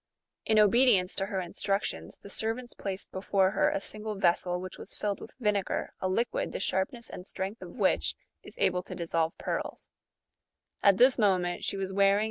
In obedience to her instructions, the servants placed before her a single vessel, which was filled with vinegar, a liquid, the sharpness and strength of which is able ^^ to dis 60 A fourth of tlie sum mentioned in Note 55.